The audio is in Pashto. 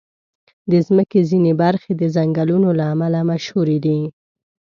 د مځکې ځینې برخې د ځنګلونو له امله مشهوري دي.